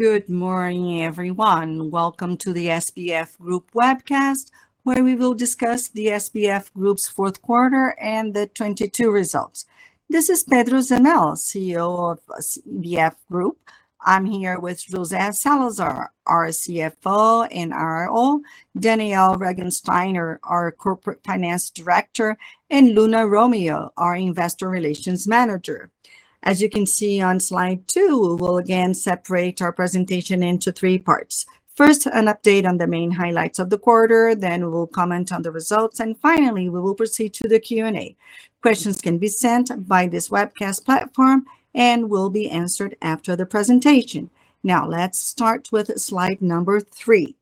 Good morning, everyone. Welcome to the Grupo SBF webcast, where we will discuss the Grupo SBF's fourth quarter and the 2022 results. This is Pedro Zemel, CEO of Grupo SBF. I'm here with José Salazar, our CFO and IRO, Danielle Regenstainer, our Corporate Finance Director, and Luna Romeu, our Investor Relations Manager. As you can see on slide two, we'll again separate our presentation into three parts. First, an update on the main highlights of the quarter, then we will comment on the results, and finally, we will proceed to the Q&A. Questions can be sent by this webcast platform and will be answered after the presentation. Let's start with slide number three.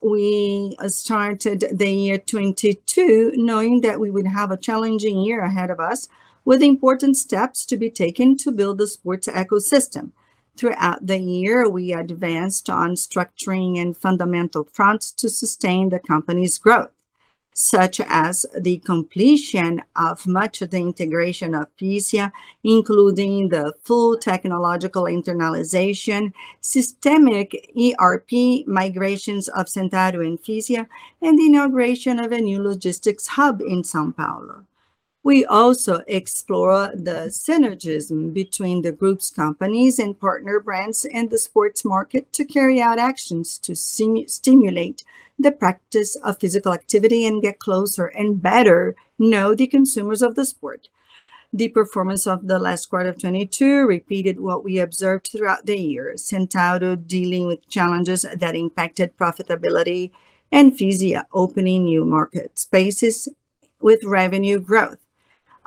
We started the year 2022 knowing that we would have a challenging year ahead of us, with important steps to be taken to build the sports ecosystem. Throughout the year, we advanced on structuring and fundamental fronts to sustain the company's growth, such as the completion of much of the integration of Fisia, including the full technological internalization, systemic ERP migrations of Centauro and Fisia, and the inauguration of a new logistics hub in São Paulo. We also explore the synergism between the group's companies and partner brands in the sports market to carry out actions to stimulate the practice of physical activity and get closer and better know the consumers of the sport. The performance of the last quarter of 2022 repeated what we observed throughout the year. Centauro dealing with challenges that impacted profitability, and Fisia opening new market spaces with revenue growth.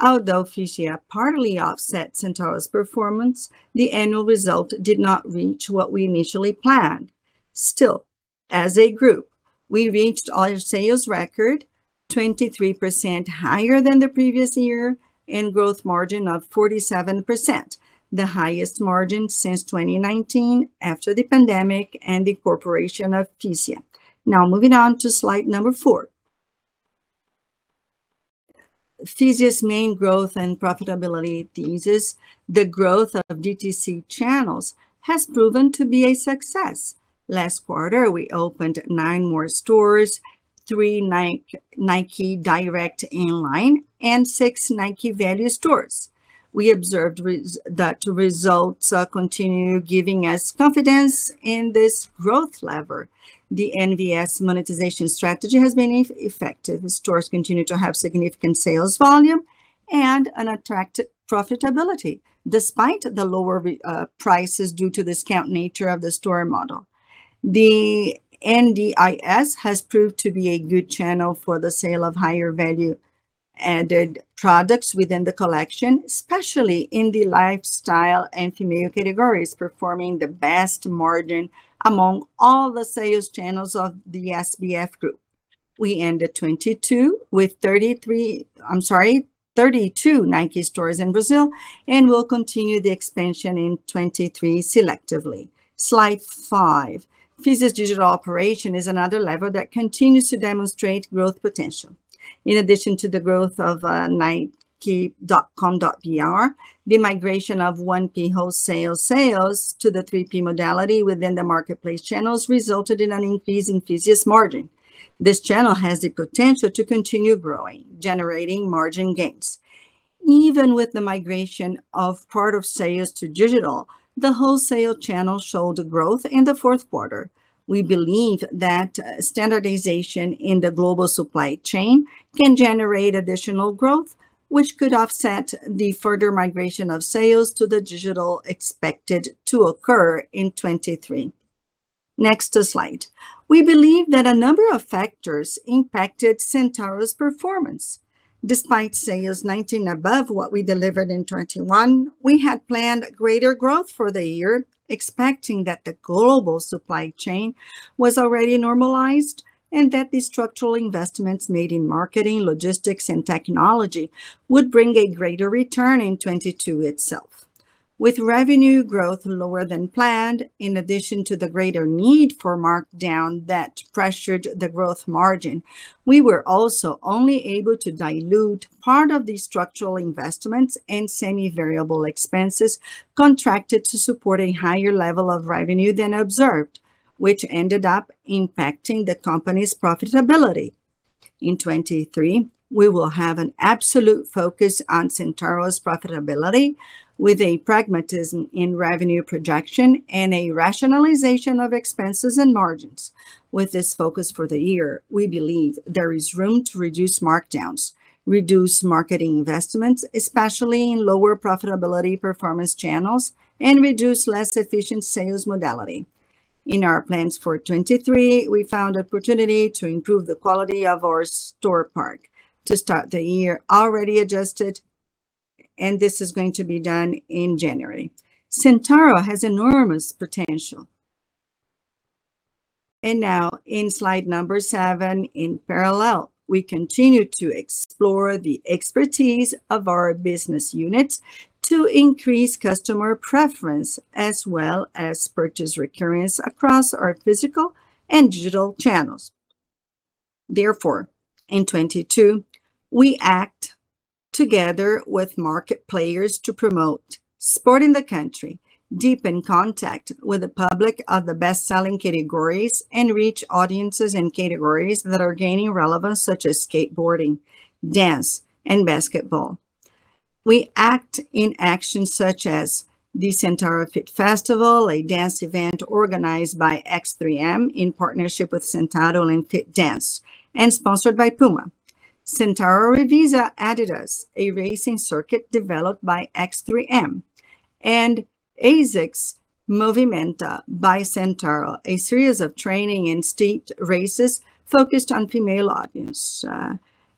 Although Fisia partly offset Centauro's performance, the annual result did not reach what we initially planned. Still, as a group, we reached our sales record, 23% higher than the previous year, and growth margin of 47%, the highest margin since 2019 after the pandemic and the incorporation of Fisia. Now moving on to slide number four. Fisia's main growth and profitability thesis, the growth of DTC channels, has proven to be a success. Last quarter, we opened nine more stores, three Nike Direct Inline and six Nike Value Stores. We observed that results continue giving us confidence in this growth lever. The NVS monetization strategy has been effective. The stores continue to have significant sales volume and an attractive profitability, despite the lower prices due to discount nature of the store model. The NDIS has proved to be a good channel for the sale of higher value-added products within the collection, especially in the lifestyle and female categories, performing the best margin among all the sales channels of the Grupo SBF. We ended 2022 with 32 Nike stores in Brazil and will continue the expansion in 2023 selectively. Slide five. Fisia's digital operation is another lever that continues to demonstrate growth potential. In addition to the growth of nike.com.br, the migration of 1P wholesale sales to the 3P modality within the marketplace channels resulted in an increase in Fisia's margin. This channel has the potential to continue growing, generating margin gains. Even with the migration of part of sales to digital, the wholesale channel showed growth in the fourth quarter. We believe that standardization in the global supply chain can generate additional growth, which could offset the further migration of sales to the digital expected to occur in 2023. Next slide. We believe that a number of factors impacted Centauro's performance. Despite sales 19% above what we delivered in 2021, we had planned greater growth for the year, expecting that the global supply chain was already normalized and that the structural investments made in marketing, logistics, and technology would bring a greater return in 2022 itself. With revenue growth lower than planned, in addition to the greater need for markdown that pressured the growth margin, we were also only able to dilute part of the structural investments and semi-variable expenses contracted to support a higher level of revenue than observed, which ended up impacting the company's profitability. In 2023, we will have an absolute focus on Centauro's profitability with a pragmatism in revenue projection and a rationalization of expenses and margins. With this focus for the year, we believe there is room to reduce markdowns, reduce marketing investments, especially in lower profitability performance channels, and reduce less efficient sales modality. In our plans for 2023, we found opportunity to improve the quality of our store park to start the year already adjusted, and this is going to be done in January. Centauro has enormous potential. Now in slide seven, in parallel, we continue to explore the expertise of our business units to increase customer preference as well as purchase recurrence across our physical and digital channels. In 2022, we act together with market players to promote sport in the country, deepen contact with the public of the best-selling categories, and reach audiences in categories that are gaining relevance, such as skateboarding, dance, and basketball. We act in actions such as the Centauro Fit Festival, a dance event organized by X3M in partnership with Centauro and FitDance, and sponsored by PUMA. Centauro Reveza Adidas, a racing circuit developed by X3M, and ASICS Movimenta by Centauro, a series of training and street races focused on female audience.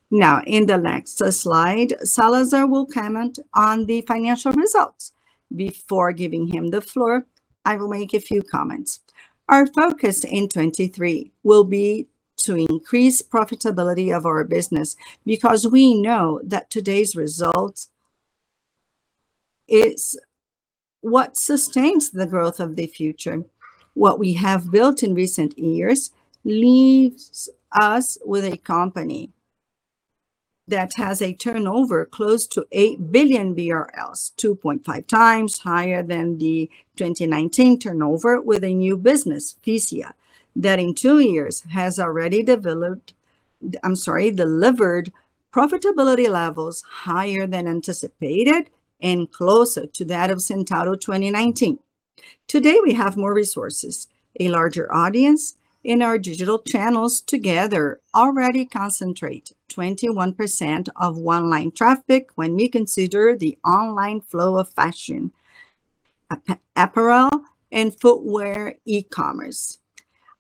Now, in the next slide, Salazar will comment on the financial results. Before giving him the floor, I will make a few comments. Our focus in 2023 will be to increase profitability of our business because we know that today's results is what sustains the growth of the future. What we have built in recent years leaves us with a company that has a turnover close to 8 billion BRL, 2.5x higher than the 2019 turnover, with a new business, Fisia, that in two years has already I'm sorry, delivered profitability levels higher than anticipated and closer to that of Centauro 2019. Today, we have more resources. A larger audience in our digital channels together already concentrate 21% of online traffic when we consider the online flow of fashion, apparel, and footwear e-commerce.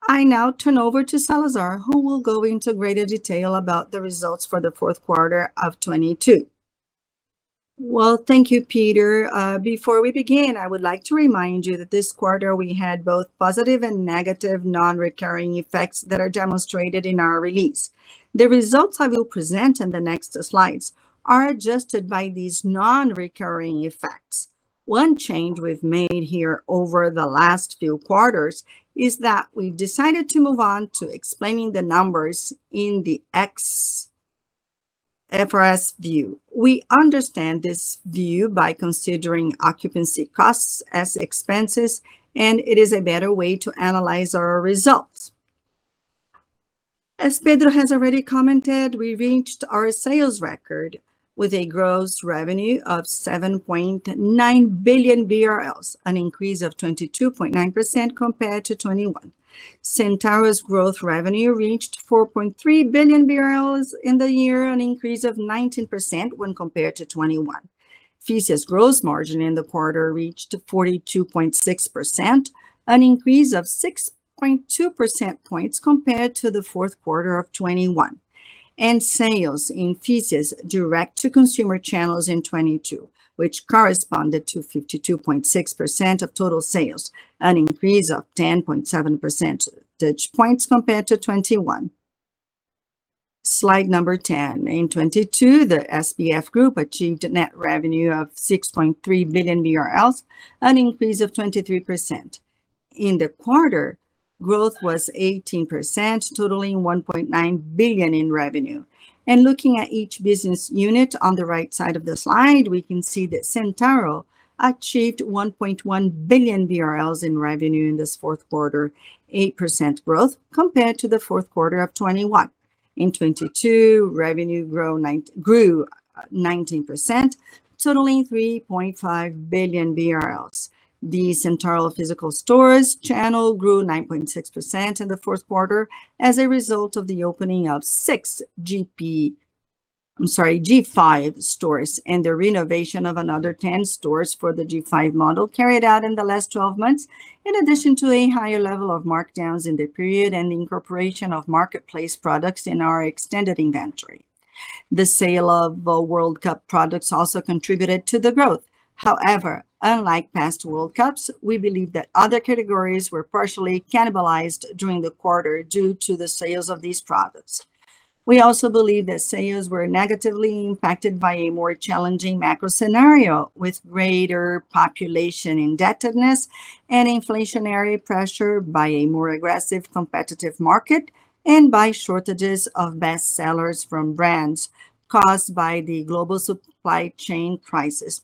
I now turn over to Salazar, who will go into greater detail about the results for the fourth quarter of 2022. Thank you, Pedro. Before we begin, I would like to remind you that this quarter we had both positive and negative non-recurring effects that are demonstrated in our release. The results I will present in the next slides are adjusted by these non-recurring effects. One change we've made here over the last few quarters is that we've decided to move on to explaining the numbers in the IFRS view. We understand this view by considering occupancy costs as expenses, and it is a better way to analyze our results. As Pedro has already commented, we reached our sales record with a gross revenue of 7.9 billion BRL, an increase of 22.9% compared to 2021. Centauro's growth revenue reached 4.3 billion in the year, an increase of 19% when compared to 2021. Fisia's gross margin in the quarter reached 42.6%, an increase of 6.2 percentage points compared to the fourth quarter of 2021. Sales in Fisia's direct-to-consumer channels in 2022, which corresponded to 52.6% of total sales, an increase of 10.7 percentage points compared to 2021. Slide number 10. In 2022, Grupo SBF achieved net revenue of 6.3 billion BRL, an increase of 23%. In the quarter, growth was 18%, totaling 1.9 billion in revenue. Looking at each business unit on the right side of the slide, we can see that Centauro achieved 1.1 billion BRL in revenue in this fourth quarter, 8% growth compared to the fourth quarter of 2021. In 2022, revenue grew 19%, totaling 3.5 billion BRL. The Centauro physical stores channel grew 9.6% in the fourth quarter as a result of the opening of six G5 stores and the renovation of another 10 stores for the G5 model carried out in the last 12 months, in addition to a higher level of markdowns in the period and incorporation of marketplace products in our extended inventory. The sale of the World Cup products also contributed to the growth. However, unlike past World Cups, we believe that other categories were partially cannibalized during the quarter due to the sales of these products. We also believe that sales were negatively impacted by a more challenging macro scenario with greater population indebtedness and inflationary pressure by a more aggressive competitive market and by shortages of best sellers from brands caused by the global supply chain crisis.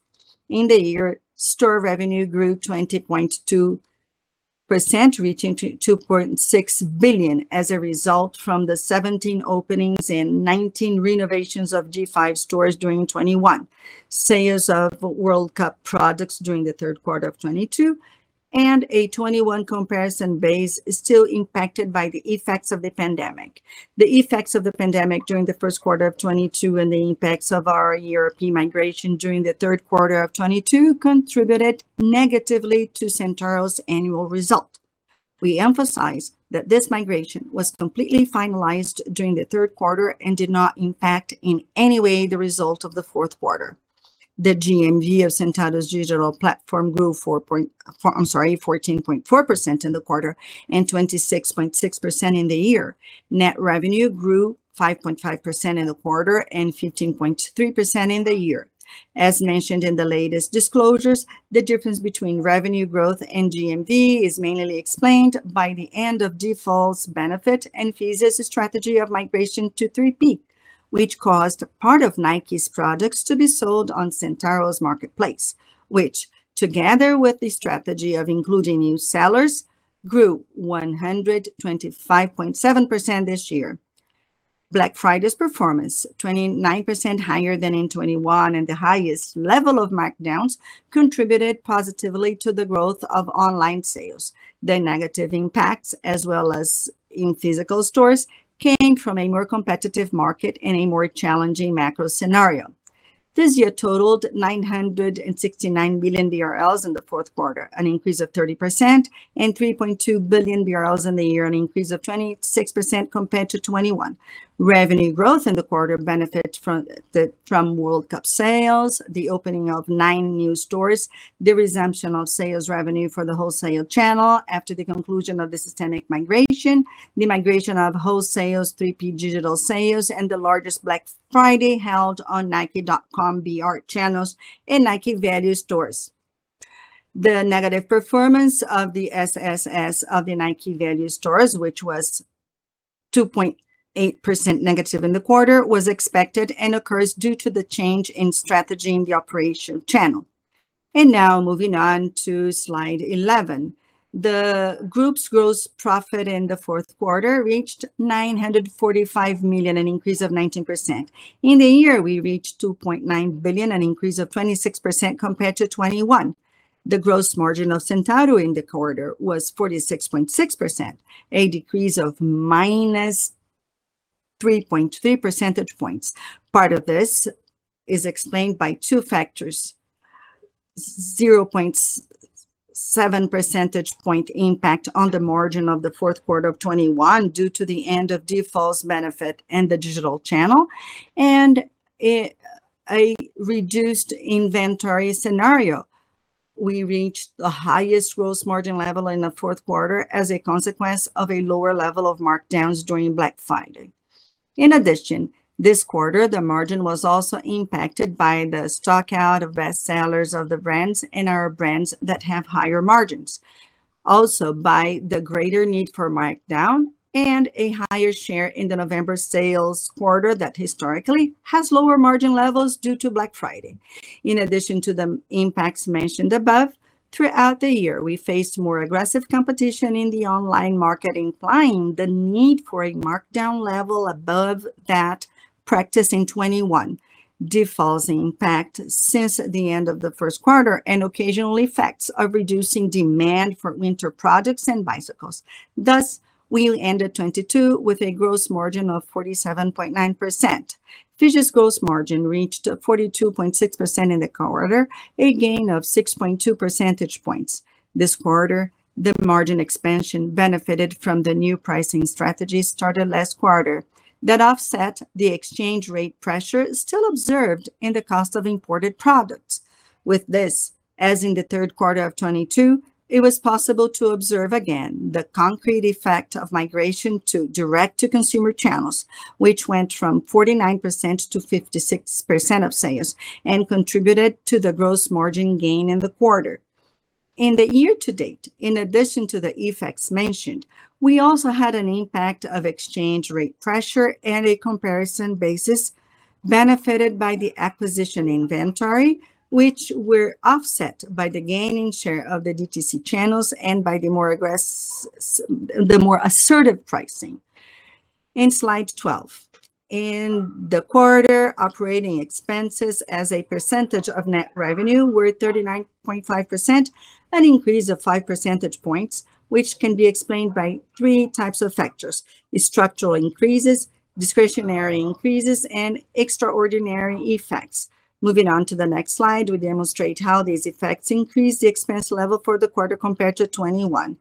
In the year, store revenue grew 20.2%, reaching 2.6 billion as a result from the 17 openings and 19 renovations of G5 stores during 2021. Sales of World Cup products during the third quarter of 2022 and a 2021 comparison base is still impacted by the effects of the pandemic. The effects of the pandemic during the first quarter of 2022 and the impacts of our European migration during the third quarter of 2022 contributed negatively to Centauro's annual result. We emphasize that this migration was completely finalized during the third quarter and did not impact in any way the result of the fourth quarter. The GMV of Centauro's digital platform grew 14.4% in the quarter and 26.6% in the year. Net revenue grew 5.5% in the quarter and 15.3% in the year. As mentioned in the latest disclosures, the difference between revenue growth and GMV is mainly explained by the end of defaults benefit and Fisia's strategy of migration to 3P, which caused part of Nike's products to be sold on Centauro's marketplace, which together with the strategy of including new sellers, grew 125.7% this year. Black Friday's performance, 29% higher than in 2021 and the highest level of markdowns, contributed positively to the growth of online sales. The negative impacts, as well as in physical stores, came from a more competitive market and a more challenging macro scenario. Fisia totaled 969 billion BRL in the fourth quarter, an increase of 30%, and 3.2 billion BRL in the year, an increase of 26% compared to 2021. Revenue growth in the quarter benefited from the World Cup sales, the opening of nine new stores, the resumption of sales revenue for the wholesale channel after the conclusion of the systemic migration, the migration of wholesale's 3P digital sales, and the largest Black Friday held on nike.com.br channels, and Nike Value Stores. The negative performance of the SSS of the Nike Value Stores, which was 2.8%- in the quarter, was expected and occurs due to the change in strategy in the operation channel. Now moving on to slide 11. The group's gross profit in the fourth quarter reached 945 million, an increase of 19%. In the year, we reached 2.9 billion, an increase of 26% compared to 2021. The gross margin of Centauro in the quarter was 46.6%, a decrease of -3.3 percentage points. Part of this is explained by two factors: 0.7 percentage point impact on the margin of the fourth quarter of 2021 due to the end of defaults benefit in the digital channel, and a reduced inventory scenario. We reached the highest gross margin level in the fourth quarter as a consequence of a lower level of markdowns during Black Friday. In addition, this quarter the margin was also impacted by the stock out of bestsellers of the brands and our brands that have higher margins. By the greater need for markdown and a higher share in the November sales quarter that historically has lower margin levels due to Black Friday. In addition to the impacts mentioned above, throughout the year, we faced more aggressive competition in the online market, implying the need for a markdown level above that practiced in 2021. Defaults impact since the end of the first quarter, and occasionally effects of reducing demand for winter products and bicycles. Thus, we ended 2022 with a gross margin of 47.9%. Fisia's gross margin reached 42.6% in the quarter, a gain of 6.2 percentage points. This quarter, the margin expansion benefited from the new pricing strategy started last quarter that offset the exchange rate pressure still observed in the cost of imported products. With this, as in the third quarter of 2022, it was possible to observe again the concrete effect of migration to direct-to-consumer channels, which went from 49% to 56% of sales and contributed to the gross margin gain in the quarter. In the year-to-date, in addition to the effects mentioned, we also had an impact of exchange rate pressure and a comparison basis benefited by the acquisition inventory, which were offset by the gain in share of the DTC channels and by the more assertive pricing. In slide 12. In the quarter, operating expenses as a percentage of net revenue were 39.5%, an increase of 5 percentage points, which can be explained by three types of factors: structural increases, discretionary increases, and extraordinary effects. Moving on to the next slide, we demonstrate how these effects increased the expense level for the quarter compared to 2021.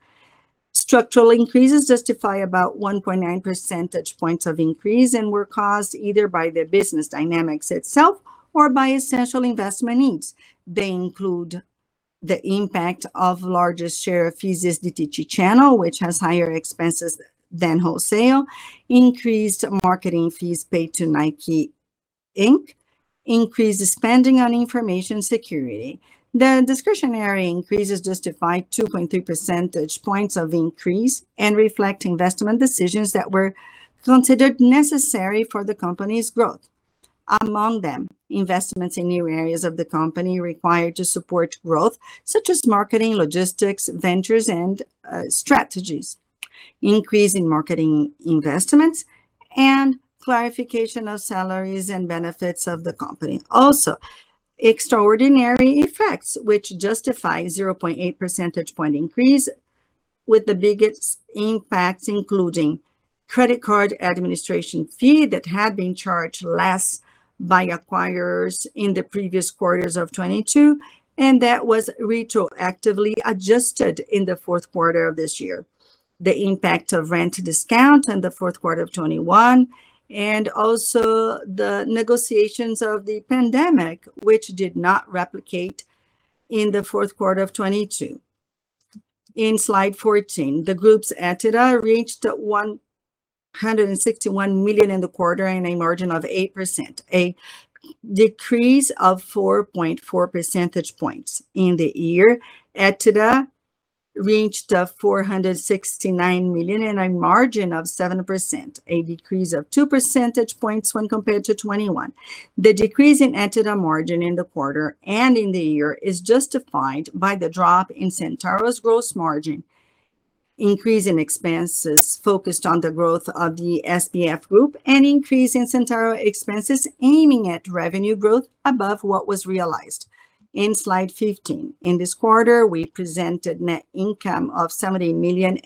Structural increases justify about 1.9 percentage points of increase and were caused either by the business dynamics itself or by essential investment needs. They include the impact of largest share of Fisia's DTC channel, which has higher expenses than wholesale, increased marketing fees paid to Nike, Inc, increased spending on information security. The discretionary increases justified 2.3 percentage points of increase and reflect investment decisions that were considered necessary for the company's growth. Among them, investments in new areas of the company required to support growth, such as marketing, logistics, ventures, and strategies, increase in marketing investments, and clarification of salaries and benefits of the company. Extraordinary effects, which justify 0.8 percentage point increase, with the biggest impacts including credit card administration fee that had been charged less by acquirers in the previous quarters of 2022 and that was retroactively adjusted in the fourth quarter of this year, the impact of rent discount in the fourth quarter of 2021, and also the negotiations of the pandemic, which did not replicate in the fourth quarter of 2022. In slide 14, the group's EBITDA reached 161 million in the quarter and a margin of 8%, a decrease of 4.4 percentage points in the year. EBITDA reached 469 million and a margin of 7%, a decrease of 2 percentage points when compared to 2021. The decrease in EBITDA margin in the quarter and in the year is justified by the drop in Centauro's gross margin, increase in expenses focused on the growth of Grupo SBF, and increase in Centauro expenses aiming at revenue growth above what was realized. In slide 15, in this quarter we presented net income of 70 million,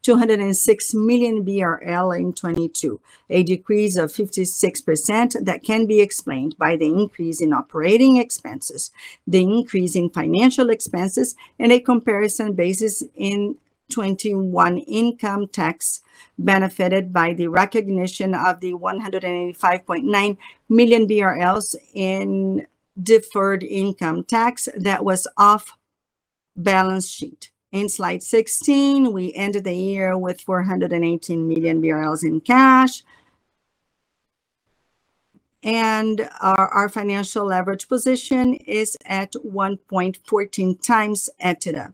206 million BRL in 2022, a decrease of 56% that can be explained by the increase in operating expenses, the increase in financial expenses, and a comparison basis in 2021 income tax benefited by the recognition of the 185.9 million BRL in deferred income tax that was off balance sheet. In slide 16, we ended the year with 418 million BRL in cash. Our financial leverage position is at 1.14x EBITDA.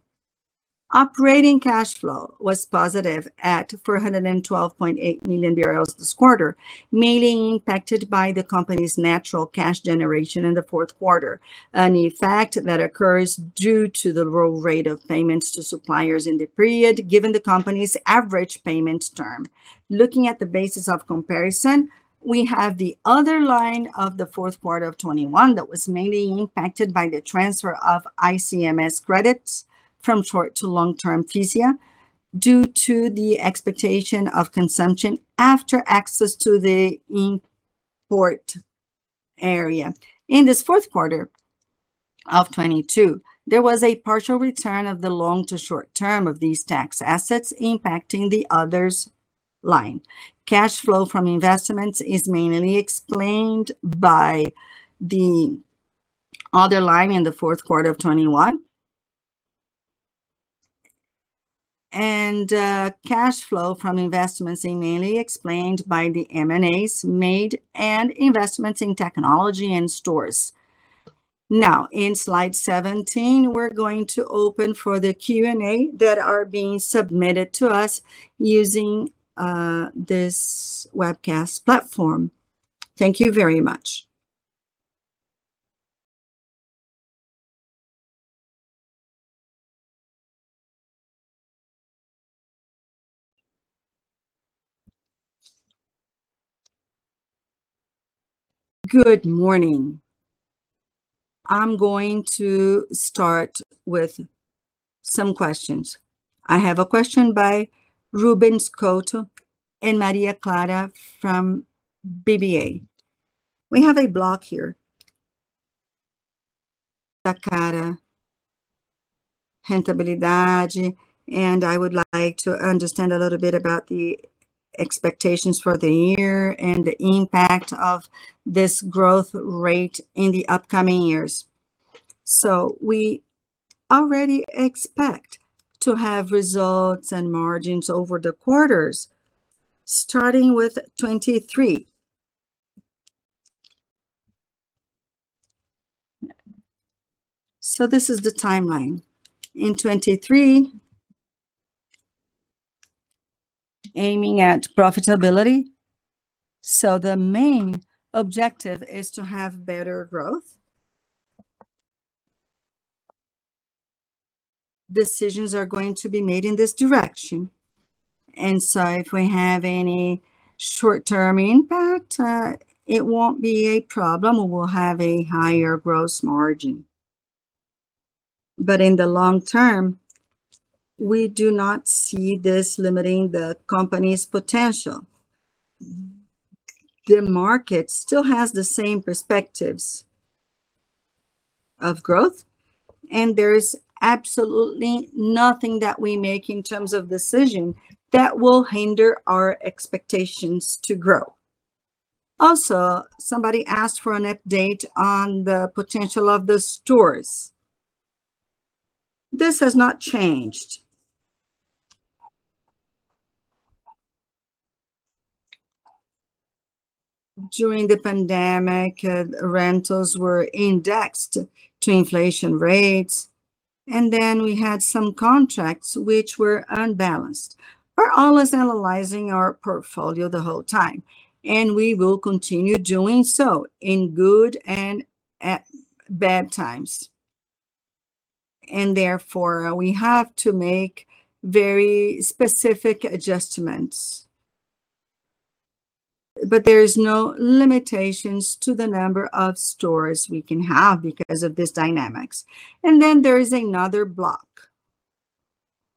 Operating cash flow was positive at 412.8 million this quarter, mainly impacted by the company's natural cash generation in the fourth quarter, an effect that occurs due to the low rate of payments to suppliers in the period given the company's average payment term. Looking at the basis of comparison, we have the other line of the fourth quarter of 2021 that was mainly impacted by the transfer of ICMS credits from short to long term Fisia due to the expectation of consumption after access to the import area. In this fourth quarter of 2022, there was a partial return of the long to short term of these tax assets impacting the others line. Cash flow from investments is mainly explained by the other line in the fourth quarter of 2021. Cash flow from investments is mainly explained by the M&As made and investments in technology and stores. Now, in slide 17, we're going to open for the Q&A that are being submitted to us using this webcast platform. Thank you very much. Good morning. I'm going to start with some questions. I have a question by Ruben Couto and Maria Clara from BBA. We have a block here. I would like to understand a little bit about the expectations for the year and the impact of this growth rate in the upcoming years. We already expect to have results and margins over the quarters starting with 2023. This is the timeline. In 2023, aiming at profitability, the main objective is to have better growth. Decisions are going to be made in this direction. If we have any short-term impact, it won't be a problem, we'll have a higher gross margin. In the long term, we do not see this limiting the company's potential. The market still has the same perspectives of growth, and there's absolutely nothing that we make in terms of decision that will hinder our expectations to grow. Also, somebody asked for an update on the potential of the stores. This has not changed. During the pandemic, rentals were indexed to inflation rates, and then we had some contracts which were unbalanced. We're always analyzing our portfolio the whole time, and we will continue doing so in good and bad times. Therefore, we have to make very specific adjustments. There is no limitations to the number of stores we can have because of this dynamics. There is another block.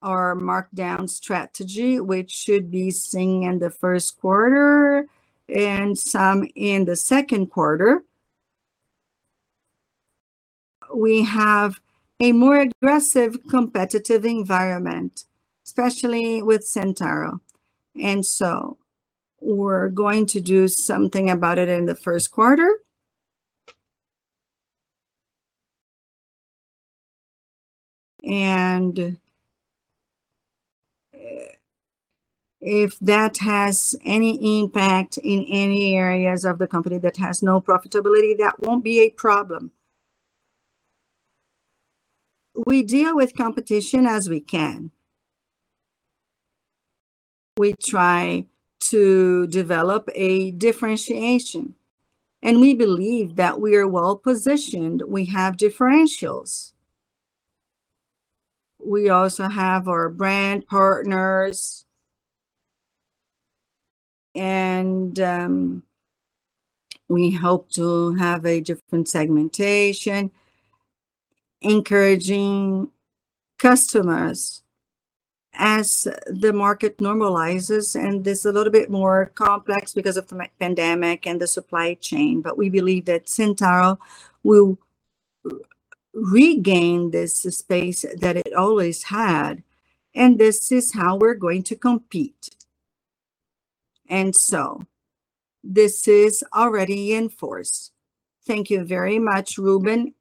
Our markdown strategy, which should be seen in the first quarter and some in the second quarter, we have a more aggressive competitive environment, especially with Centauro, and so we're going to do something about it in the first quarter. If that has any impact in any areas of the company that has no profitability, that won't be a problem. We deal with competition as we can. We try to develop a differentiation, and we believe that we are well-positioned. We have differentials. We also have our brand partners. We hope to have a different segmentation, encouraging customers as the market normalizes, and it's a little bit more complex because of the pandemic and the supply chain. We believe that Centauro will regain this, the space that it always had, and this is how we're going to compete. This is already in force. Thank you very much, Ruben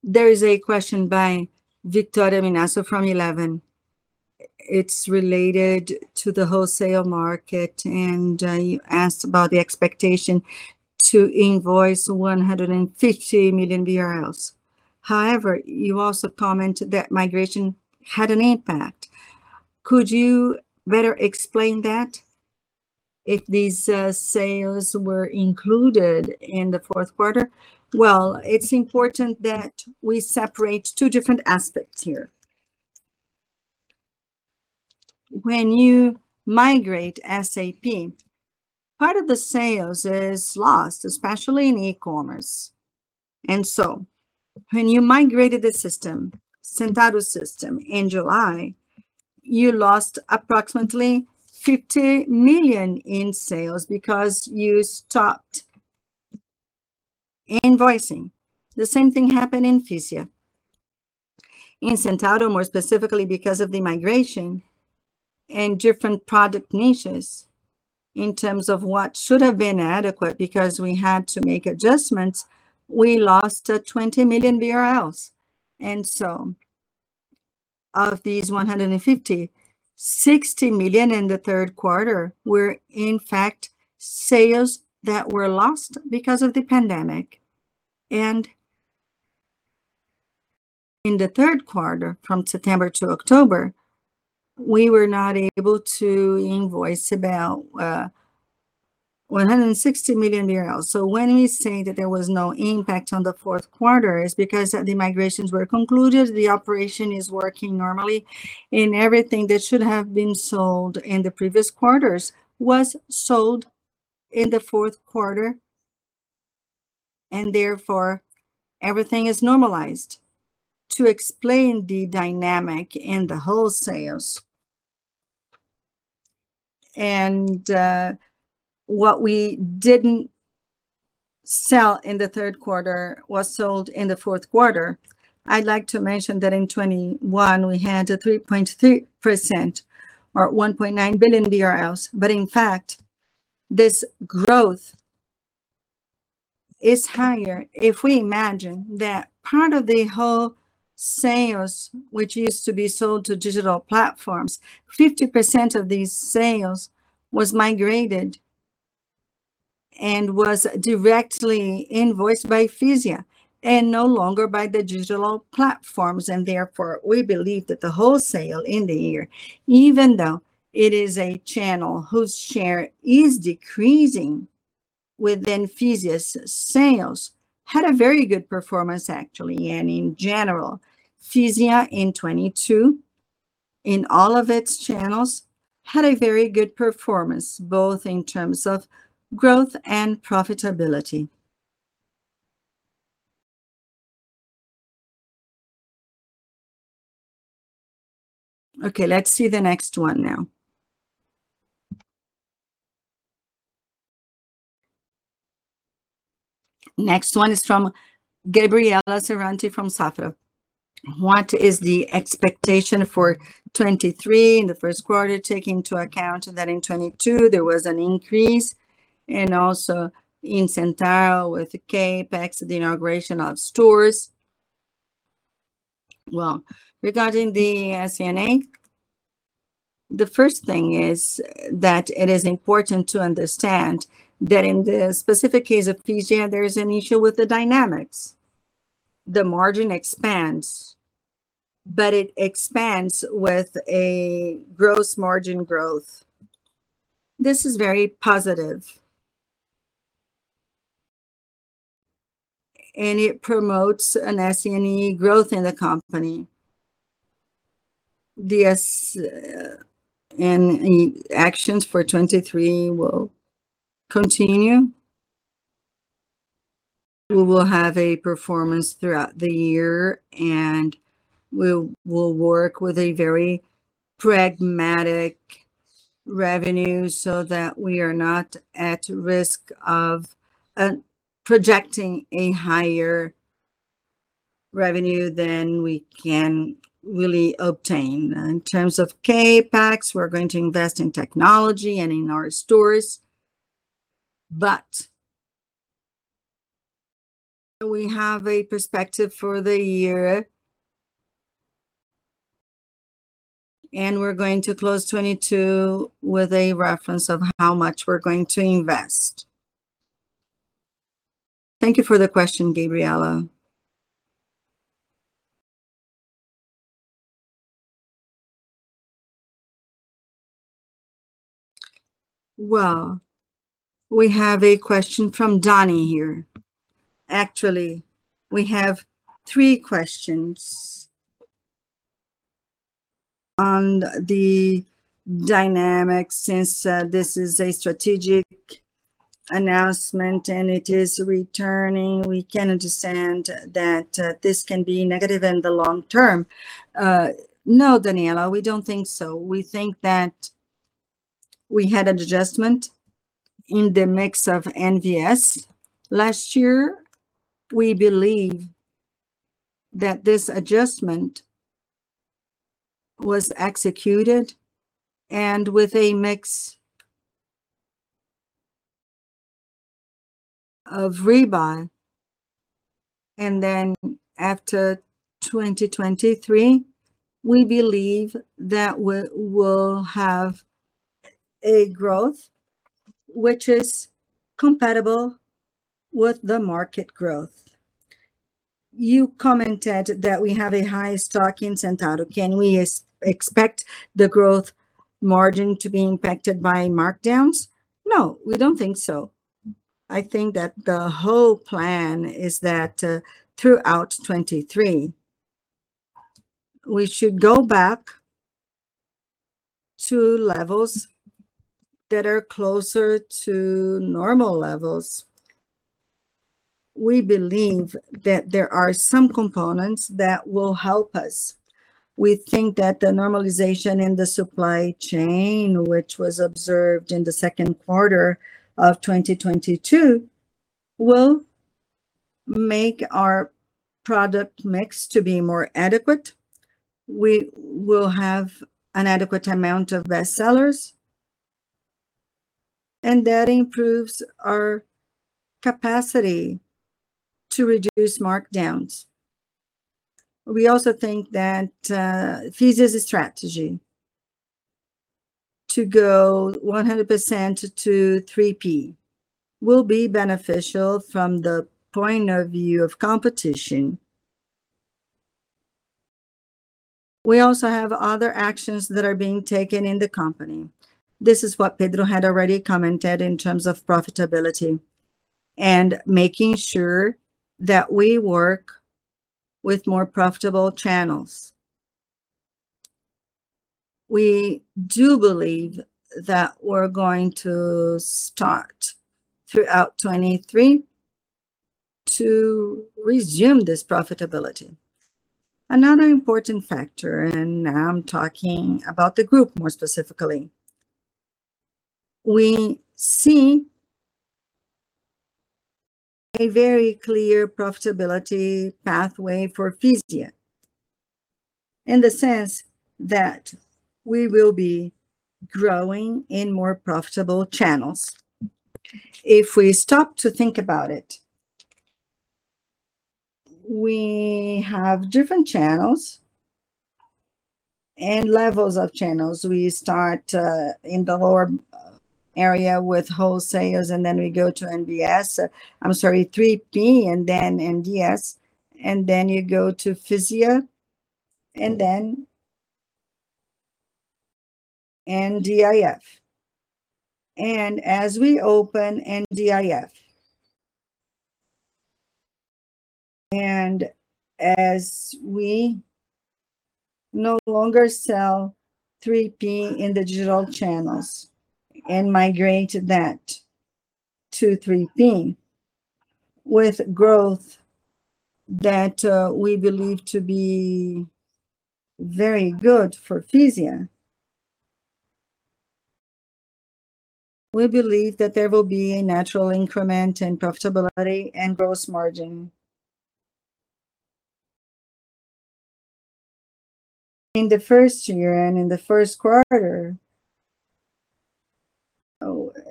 and Maria Clara, for your questions. There is a question by Victória Minosso from Eleven. It's related to the wholesale market, and you asked about the expectation to invoice 150 million. However, you also commented that migration had an impact. Could you better explain that, if these sales were included in the fourth quarter? Well, it's important that we separate two different aspects here. When you migrate SAP, part of the sales is lost, especially in e-commerce. When you migrated the system, Centauro system in July, you lost approximately 50 million in sales because you stopped invoicing. The same thing happened in Fisia. In Centauro, more specifically because of the migration and different product niches, in terms of what should have been adequate, because we had to make adjustments, we lost 20 million. Of these 150 million, 60 million in the third quarter were, in fact, sales that were lost because of the pandemic. In the third quarter, from September to October, we were not able to invoice about BRL 160 million. When we say that there was no impact on the fourth quarter is because the migrations were concluded, the operation is working normally, and everything that should have been sold in the previous quarters was sold in the fourth quarter, and therefore everything is normalized to explain the dynamic in the wholesales. What we didn't sell in the third quarter was sold in the fourth quarter. I'd like to mention that in 2021 we had a 3.3% or 1.9 billion BRL. In fact, this growth is higher if we imagine that part of the wholesale which used to be sold to digital platforms, 50% of these sales was migrated and was directly invoiced by Fisia and no longer by the digital platforms. Therefore, we believe that the wholesale in the year, even though it is a channel whose share is decreasing within Fisia's sales, had a very good performance actually. In general, Fisia in 2022, in all of its channels, had a very good performance, both in terms of growth and profitability. Okay, let's see the next one now. Next one is from Gabriela Ferrante from Safra. What is the expectation for 2023 in the first quarter, taking into account that in 2022 there was an increase, and also in Centauro with CapEx, the inauguration of stores? Well, regarding the SG&A, the first thing is that it is important to understand that in the specific case of Fisia, there is an issue with the dynamics. The margin expands, but it expands with a gross margin growth. This is very positive. It promotes an SG&A growth in the company. The SG&A actions for 2023 will continue. We will have a performance throughout the year, and we'll work with a very pragmatic revenue so that we are not at risk of projecting a higher revenue than we can really obtain. In terms of CapEx, we're going to invest in technology and in our stores, we have a perspective for the year, and we're going to close 2022 with a reference of how much we're going to invest. Thank you for the question, Gabriela. Well, we have a question from Dannie here. Actually, we have three questions. On the dynamic, since this is a strategic announcement and it is returning, we can understand that this can be negative in the long term. No, Danniela, we don't think so. We think that we had an adjustment in the mix of NVS last year. We believe that this adjustment was executed, with a mix of rebuy. After 2023, we believe that we will have a growth which is compatible with the market growth. You commented that we have a high stock in Centauro. Can we expect the growth margin to be impacted by markdowns? No, we don't think so. I think that the whole plan is that, throughout 2023, we should go back to levels that are closer to normal levels. We believe that there are some components that will help us. We think that the normalization in the supply chain, which was observed in the second quarter of 2022, will make our product mix to be more adequate. We will have an adequate amount of bestsellers, and that improves our capacity to reduce markdowns. We also think that Fisia's strategy to go 100% to 3P will be beneficial from the point of view of competition. We also have other actions that are being taken in the company. This is what Pedro had already commented in terms of profitability and making sure that we work with more profitable channels. We do believe that we're going to start, throughout 2023, to resume this profitability. Another important factor. I'm talking about the group more specifically, we see a very clear profitability pathway for Fisia in the sense that we will be growing in more profitable channels. If we stop to think about it, we have different channels and levels of channels. We start in the lower area with wholesalers, and then we go to NVS. I'm sorry, 3P, and then NVS, and then you go to Fisia, and then NDIS. As we open NDIS and as we no longer sell 3P in the digital channels and migrate that to 3P with growth that we believe to be very good for Fisia, we believe that there will be a natural increment in profitability and gross margin. In the first year and in the first quarter,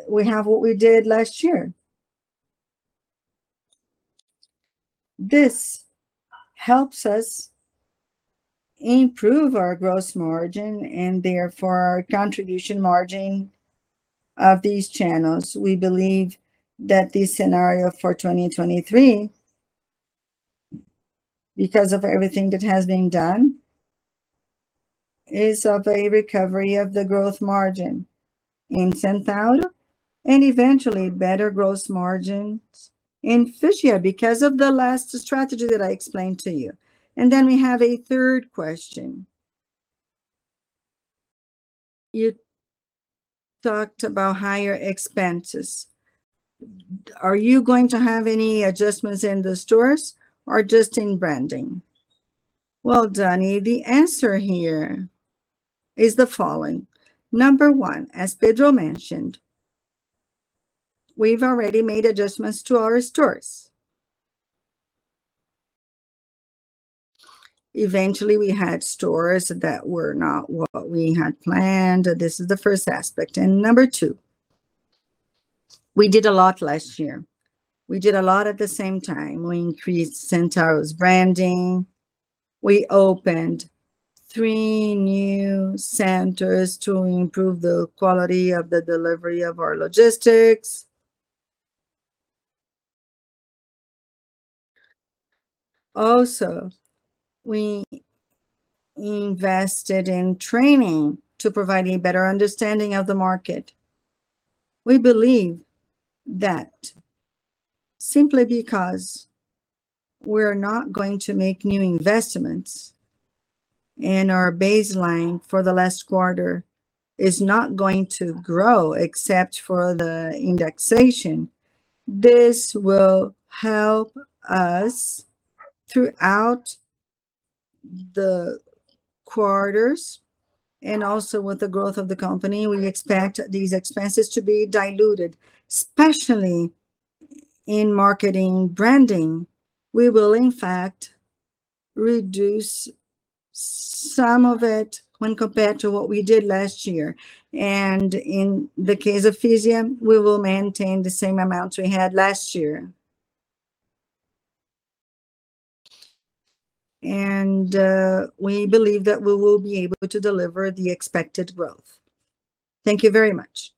we have what we did last year. This helps us improve our gross margin and therefore our contribution margin of these channels. We believe that this scenario for 2023, because of everything that has been done, is of a recovery of the gross margin in Centauro and eventually better gross margins in Fisia because of the last strategy that I explained to you. We have a third question. You talked about higher expenses. Are you going to have any adjustments in the stores or just in branding? Well, Dannie, the answer here is the following. Number one, as Pedro mentioned, we've already made adjustments to our stores. Eventually, we had stores that were not what we had planned. This is the first aspect. Number two, we did a lot last year. We did a lot at the same time. We increased Centauro's branding. We opened three new centers to improve the quality of the delivery of our logistics. We invested in training to provide a better understanding of the market. We believe that simply because we're not going to make new investments, and our baseline for the last quarter is not going to grow except for the indexation, this will help us throughout the quarters, and also with the growth of the company, we expect these expenses to be diluted. Especially in marketing branding, we will in fact reduce some of it when compared to what we did last year. In the case of Fisia, we will maintain the same amounts we had last year. We believe that we will be able to deliver the expected growth. Thank you very much.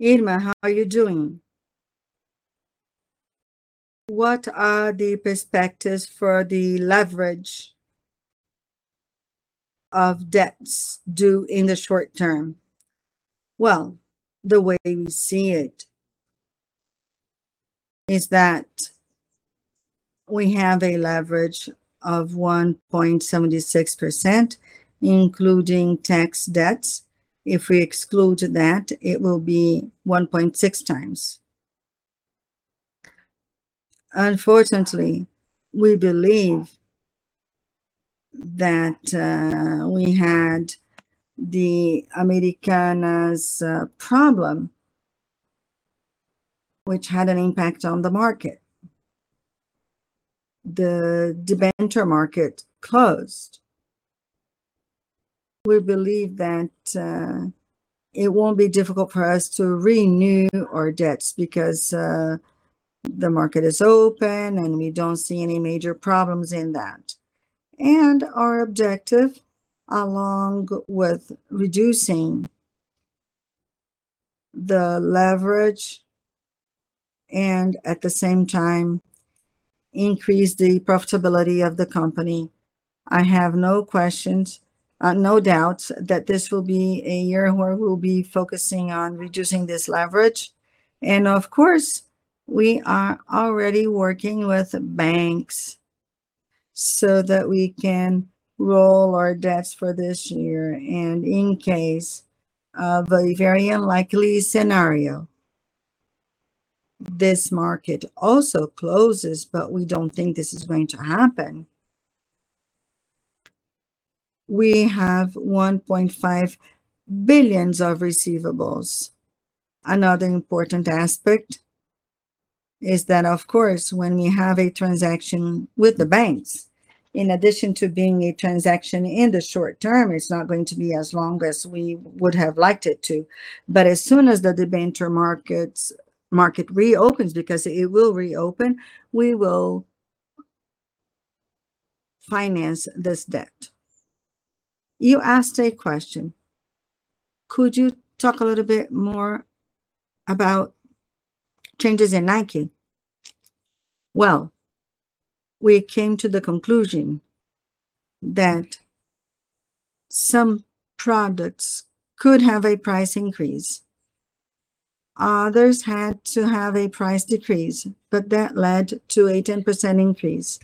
Irma, how are you doing? What are the perspectives for the leverage of debts due in the short term? Well, the way we see it is that we have a leverage of 1.76%, including tax debts. If we exclude that, it will be 1.6x. Unfortunately, we believe that we had the Americanas problem, which had an impact on the market. The debenture market closed. We believe that it won't be difficult for us to renew our debts because the market is open and we don't see any major problems in that. Our objective, along with reducing the leverage and at the same time increase the profitability of the company, I have no questions, no doubts that this will be a year where we'll be focusing on reducing this leverage. Of course, we are already working with banks so that we can roll our debts for this year. In case of a very unlikely scenario, this market also closes. We don't think this is going to happen. We have 1.5 billion of receivables. Another important aspect is that, of course, when we have a transaction with the banks, in addition to being a transaction in the short term, it's not going to be as long as we would have liked it to. As soon as the debenture market reopens, because it will reopen, we will finance this debt. You asked a question. Could you talk a little bit more about changes in Nike? We came to the conclusion that some products could have a price increase. Others had to have a price decrease, but that led to a 10% increase.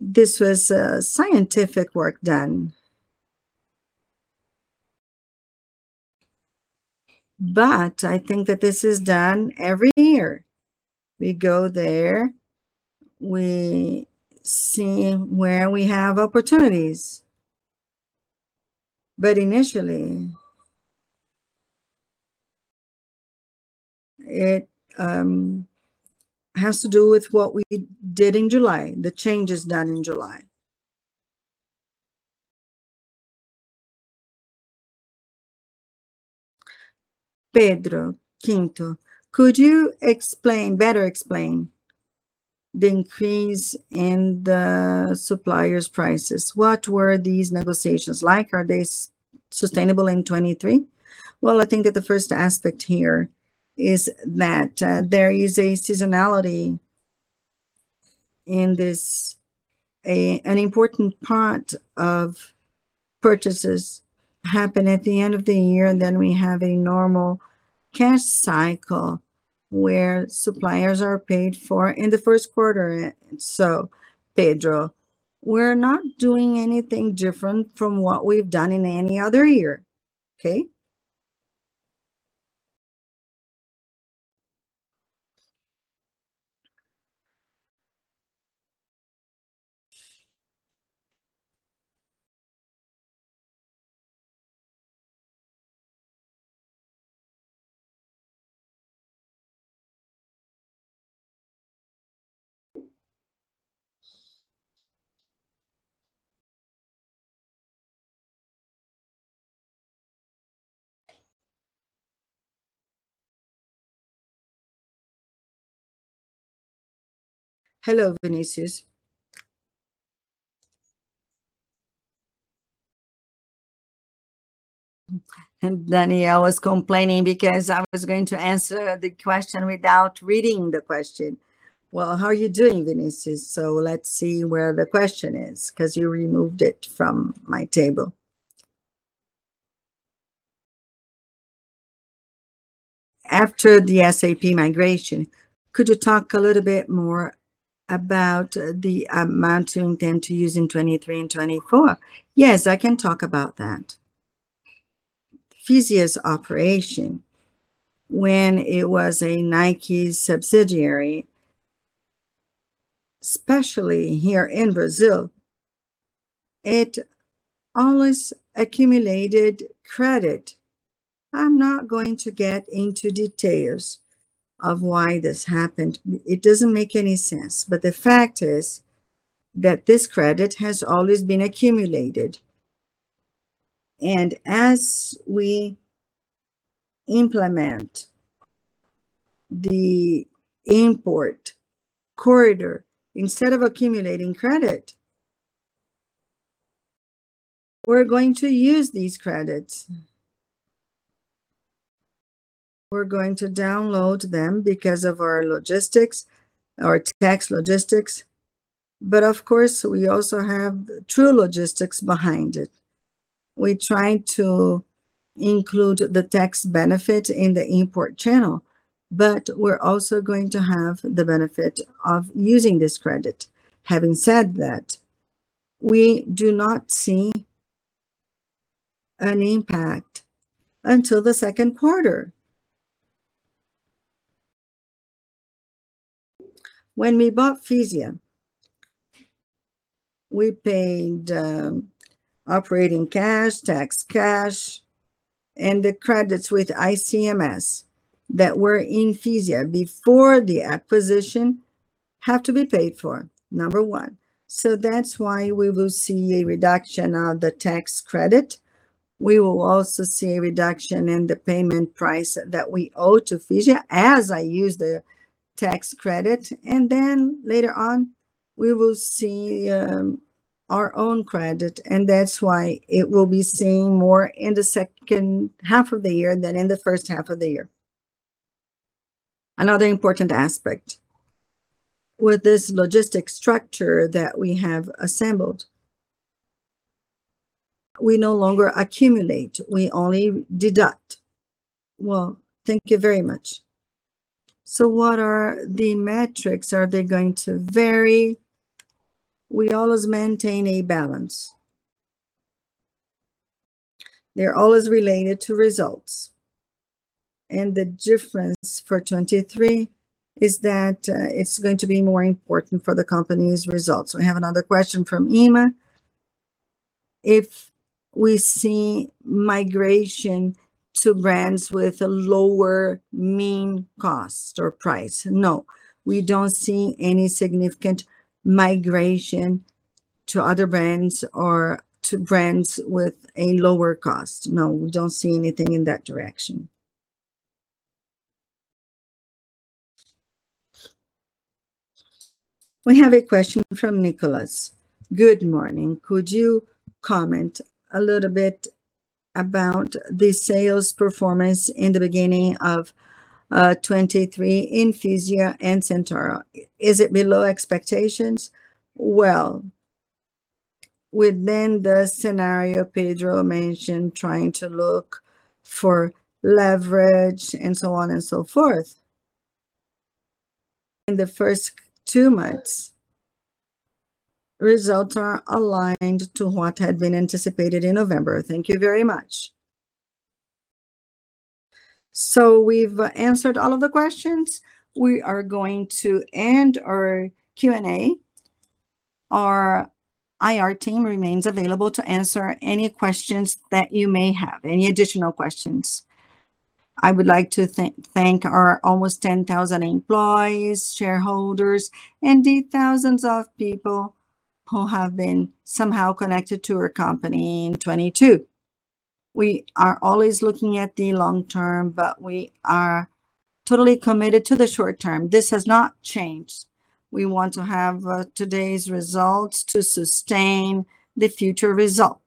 This was a scientific work done. I think that this is done every year. We go there. We see where we have opportunities. Initially, it has to do with what we did in July, the changes done in July. Pedro Pinto, could you better explain the increase in the suppliers' prices? What were these negotiations like? Are they sustainable in 2023? Well, I think that the first aspect here is that there is a seasonality in this, an important part of purchases happen at the end of the year, and then we have a normal cash cycle where suppliers are paid for in the first quarter. Pedro, we're not doing anything different from what we've done in any other year. Okay? Hello, Vinicius. Danny, I was complaining because I was going to answer the question without reading the question. Well, how are you doing, Vinicius? Let's see where the question is, 'cause you removed it from my table. After the SAP migration, could you talk a little bit more about the amount you intend to use in 2023 and 2024? Yes, I can talk about that. Fisia's operation, when it was a Nike subsidiary, especially here in Brazil, it always accumulated credit. I'm not going to get into details of why this happened. It doesn't make any sense. The fact is that this credit has always been accumulated. As we implement the import corridor, instead of accumulating credit, we're going to use these credits. We're going to download them because of our logistics, our tax logistics, but of course we also have true logistics behind it. We're trying to include the tax benefit in the import channel, but we're also going to have the benefit of using this credit. Having said that, we do not see an impact until the second quarter. When we bought Fisia, we paid operating cash, tax cash, and the credits with ICMS that were in Fisia before the acquisition have to be paid for, number one. That's why we will see a reduction of the tax credit. We will also see a reduction in the payment price that we owe to Fisia as I use the tax credit. Later on, we will see our own credit, and that's why it will be seen more in the second half of the year than in the first half of the year. Another important aspect, with this logistics structure that we have assembled, we no longer accumulate, we only deduct. Thank you very much. What are the metrics? Are they going to vary? We always maintain a balance. They're always related to results. The difference for 2023 is that it's going to be more important for the company's results. We have another question from Irma. If we see migration to brands with a lower mean cost or price... No. We don't see any significant migration to other brands or to brands with a lower cost. No, we don't see anything in that direction. We have a question from Nicholas. Good morning. Could you comment a little bit about the sales performance in the beginning of 2023 in Fisia and Centauro? Is it below expectations? Well, within the scenario Pedro mentioned, trying to look for leverage and so on and so forth, in the first two months results are aligned to what had been anticipated in November. Thank you very much. We've answered all of the questions. We are going to end our Q&A. Our IR team remains available to answer any questions that you may have, any additional questions. I would like to thank our almost 10,000 employees, shareholders, and the thousands of people who have been somehow connected to our company in 2022. We are always looking at the long term, but we are totally committed to the short term. This has not changed. We want to have today's results to sustain the future results.